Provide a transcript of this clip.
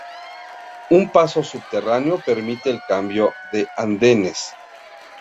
Un paso subterráneo permite el cambio de andenes.